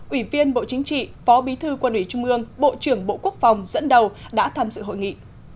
ủy viên bộ chính trị phó bí thư quân ủy trung ương bộ trưởng bộ quốc phòng dẫn đầu đã tham dự hội nghị